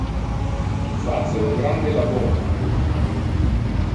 Tu face un grande labor adhuc.